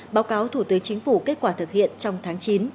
báo cáo thủ tướng chính phủ kết quả thực hiện trong tháng chín